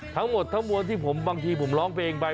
ทั้งหมดทั้งหมดที่บางทีผมลองเปลี่ยงไป